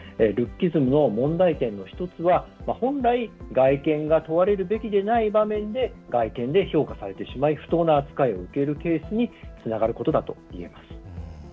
ルッキズムの問題点の１つは本来外見が問われるべきでない場面で外見で評価されてしまい不当な扱いを受けるケースにつながることだといえます。